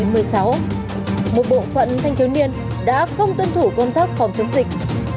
một bộ phận thanh thiếu niên đã không tuân thủ công tác phòng chống dịch